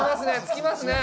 つきますね。